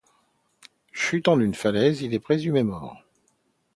Chutant d'une falaise, il est présumé mort.